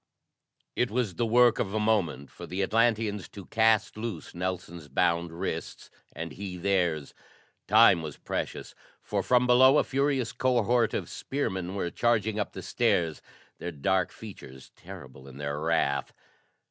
It was the work of a moment for the Atlanteans to cast loose Nelson's bound wrists, and he theirs; time was precious, for, from below, a furious cohort of spearmen were charging up the stairs, their dark features terrible in their wrath.